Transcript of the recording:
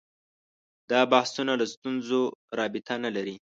دا بحثونه له ستونزو رابطه نه لري